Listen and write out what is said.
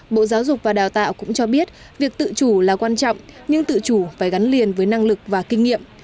các trường đại học và đào tạo cũng cho biết việc tự chủ là quan trọng nhưng tự chủ phải gắn liền với năng lực và kinh nghiệm